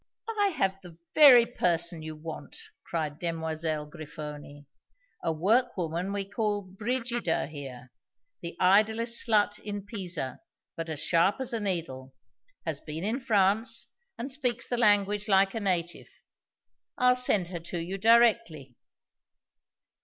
"I have the very person you want," cried Demoiselle Grifoni. "A work woman we call Brigida here the idlest slut in Pisa, but as sharp as a needle has been in France, and speaks the language like a native. I'll send her to you directly."